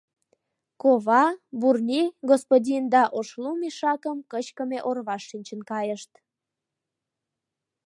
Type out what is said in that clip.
Кова, Бурни господин да Ошлум ишакым кычкыме орваш шинчын кайышт.